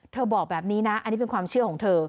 บอกแบบนี้นะอันนี้เป็นความเชื่อของเธอ